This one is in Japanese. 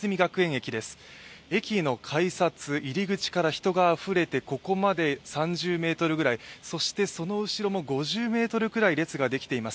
駅への改札入り口から人があふれてここまで３０ｍぐらい、そしてその後ろも５０ｍぐらい列ができています。